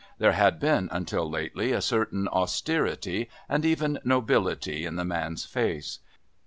There had been, until lately, a certain austerity and even nobility in the man's face.